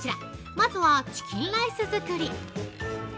まずはチキンライス作り。